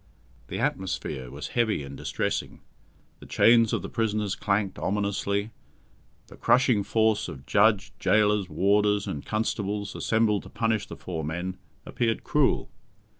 The atmosphere was heavy and distressing. The chains of the prisoners clanked ominously. The crushing force of judge, gaolers, warders, and constables assembled to punish the four men, appeared cruel.